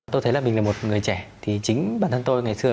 tôi thấy là mình là một người trẻ thì chính bản thân tôi ngày xưa